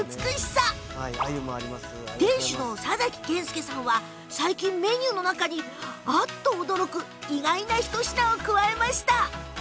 店主の左嵜謙祐さんは最近メニューの中にあっと驚く意外な一品を加えました。